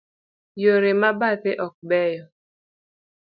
Yore ma bathe ok beyo.